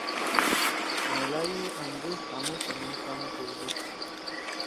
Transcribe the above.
میلائے أنگریز تھامُو تنُو کام کؤدُود